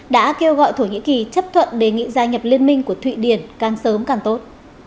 đã kêu gọi thổ nhĩ kỳ chấp thuận đề nghị gia nhập liên minh của thụy điển càng sớm càng tốt